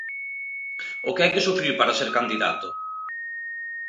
O que hai que sufrir para ser candidato!